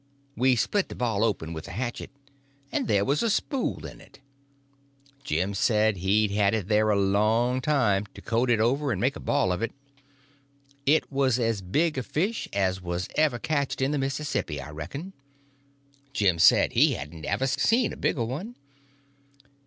We split the ball open with the hatchet, and there was a spool in it. Jim said he'd had it there a long time, to coat it over so and make a ball of it. It was as big a fish as was ever catched in the Mississippi, I reckon. Jim said he hadn't ever seen a bigger one.